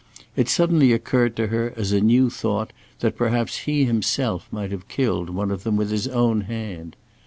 It suddenly occurred to her as a new thought that perhaps he himself might have killed one of them with his own hand.